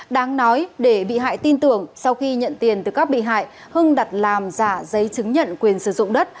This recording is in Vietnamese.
đáng nói để bị hại tin tưởng sau khi nhận tiền từ các bị hại hưng đặt làm giả giấy chứng nhận quyền sử dụng đất